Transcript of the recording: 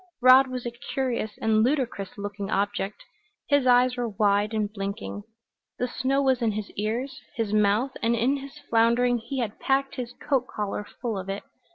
Rod was a curious and ludicrous looking object. His eyes were wide and blinking; the snow was in his ears, his mouth, and in his floundering he had packed his coat collar full of it.